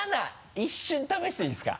一瞬試していいですか？